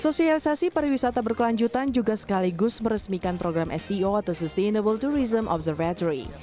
sosialisasi pariwisata berkelanjutan juga sekaligus meresmikan program sto atau sustainable tourism observatory